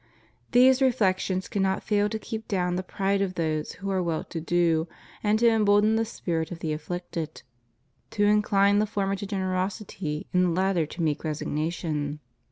These reflections cannot fail to keep down the pride of those who are well to do, and to embolden the spirit of the afflicted; to incline the former to generosity and the latter to meek resignation.